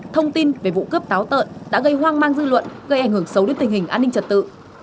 thông tin về vụ cướp táo tợn đã gây hoang mang dư luận gây ảnh hưởng xấu đến tình hình an ninh trật tự